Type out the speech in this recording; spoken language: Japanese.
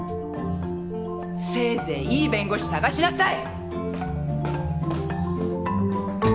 せいぜいいい弁護士探しなさい！